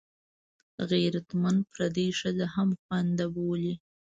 غیرتمند پردۍ ښځه هم خوینده بولي